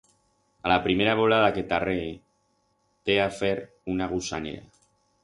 A la primera volada que t'arree, t'he a fer una gusanera.